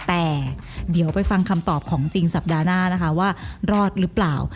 แต่เดี๋ยวไปฟังคำตอบของจริงสัปดาห์หน้านะคะว่ารอดหรือเปล่า